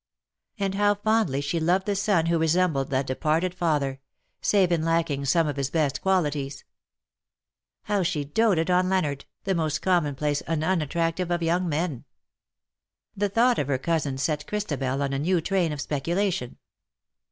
And how fondly she loved the son who resembled that departed father — save in lacking some of his best qualities ! How she doated on Leonard, the most commonplace and unattractive of young men ! The thought of her cousin set Christabel on a new train of speculation.